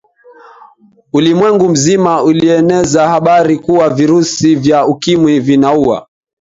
ulimwengu mzima ilieneza habari kuwa virusi vya ukimwi vinaua